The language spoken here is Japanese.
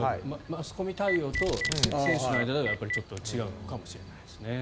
マスコミ対応と選手の間だとちょっと違うのかもしれないですね。